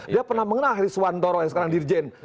dia pernah mengenal hariswan doro yang sekarang dirjen